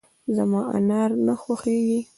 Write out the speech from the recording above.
زما انار نه خوښېږي .